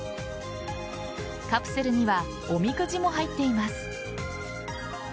カプセルにはおみくじも入っています。